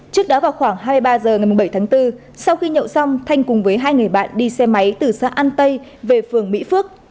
trước đó vào khoảng hai mươi ba h ngày bảy tháng bốn sau khi nhậu xong thanh cùng với hai người bạn đi xe máy từ xã an tây về phường mỹ phước